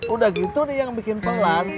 udah gitu nih yang bikin pelan